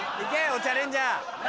お茶レンジャー！